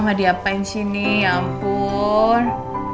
mau diapain sini ya ampun